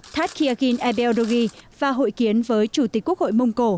thát khiagin ebel dogi và hội kiến với chủ tịch quốc hội mông cổ